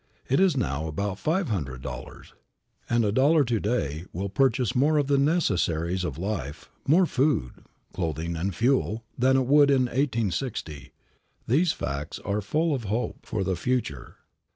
It is now about five hundred dollars, and a dollar to day will purchase more of the necessaries of life, more food, clothing and fuel, than it would in 1860. These facts are full of hope for the future.